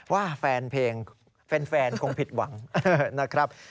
ว่าแฟนเพลงแฟนคงผิดหวังนะครับ